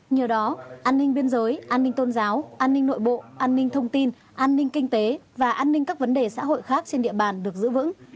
nhờ đó an ninh biên giới an ninh tôn giáo an ninh nội bộ an ninh thông tin an ninh kinh tế và an ninh các vấn đề xã hội khác trên địa bàn được giữ vững